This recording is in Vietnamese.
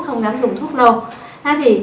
không dám dùng thuốc lâu